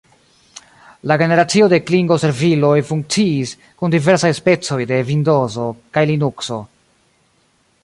La generacio de klingo-serviloj funkciis kun diversaj specoj de Vindozo kaj Linukso.